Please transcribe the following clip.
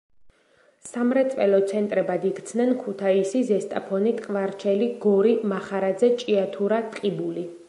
სამრეწველო ცენტრებად იქცნენ ქუთაისი, ზესტაფონი, ტყვარჩელი, გორი, მახარაძე, ჭიათურა, ტყიბული.